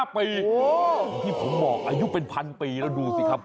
อย่างที่ผมบอกอายุเป็นพันปีแล้วดูสิครับ